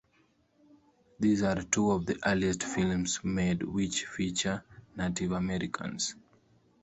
These are two of the earliest films made which feature Native Americans.